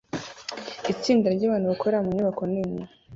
Itsinda ryabantu bakorera mu nyubako nini